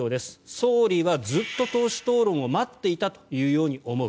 総理は、ずっと党首討論を待っていたというように思う